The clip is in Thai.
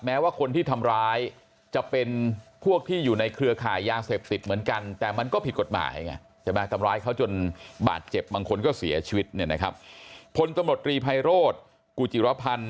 แม้ว่าคนที่ทำร้ายจะเป็นพวกที่อยู่ในเครือข่ายยาเสพติดเหมือนกัน